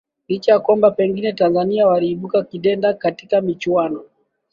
licha ya kwamba pengine tanzania waliibuka kidedea katika michuano